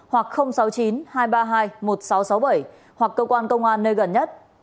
hoặc sáu mươi chín hai trăm ba mươi hai một nghìn sáu trăm sáu mươi bảy hoặc cơ quan công an nơi gần nhất